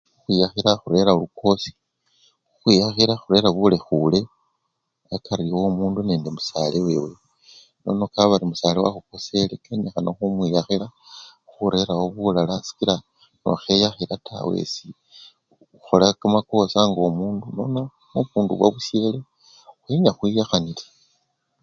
Khukhwiyakhila khurera lukosi, khukhwiyakhila khurera bulekhule akari womundu nende musale wewe, nono kabari musale kakhukosele kenyikhana khumwiyakhila khurerawo bulala sikila nokheyakhila taa wesi okhola kamakosa nga omundu nono ngomundu wabusyele, kenya khwiyakhanile.